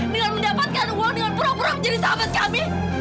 dengan mendapatkan uang dengan pura pura menjadi sahabat kami